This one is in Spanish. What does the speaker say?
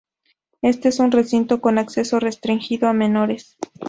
Este es un recinto con acceso restringido a menores.